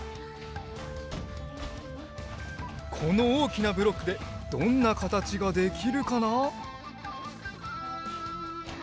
このおおきなブロックでどんなかたちができるかな？